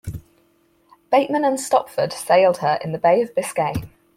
Bateman and Stopford sailed her in the Bay of Biscay.